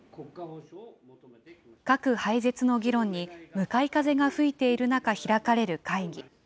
核廃絶の議論に向かい風が吹いている中開かれる会議。